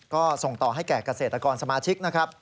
ก็ส่งต่อให้แก่เกษตรกรสมาชิกนะครับ